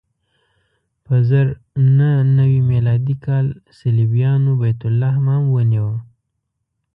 په زر نهه نوې میلادي کال صلیبیانو بیت لحم هم ونیو.